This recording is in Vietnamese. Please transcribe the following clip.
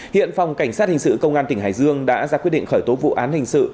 hiện phòng cảnh sát hình sự công an tỉnh hải dương đã ra quyết định khởi tố vụ án hình sự